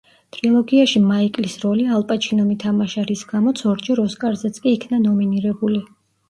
ტრილოგიაში მაიკლის როლი ალ პაჩინომ ითამაშა, რის გამოც ორჯერ ოსკარზეც კი იქნა ნომინირებული.